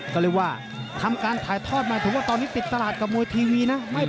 ก็เลยว่าทำการถ่ายทอดมาถือว่าตอนนี้ติดตลาดกับมวยทีวีนะ